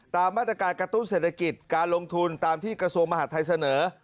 ตามมาตรการกระตุ้นเศรษฐกิจการลงทุนตามที่กระทรวงมหาทัยเสนอ